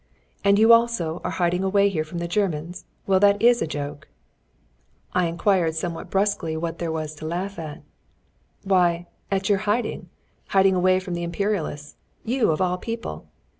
"And you also are hiding away here from the Germans! Well, that is a joke!" I inquired somewhat brusquely what there was to laugh at. "Why, at your hiding hiding away from the Imperialists. You, of all people!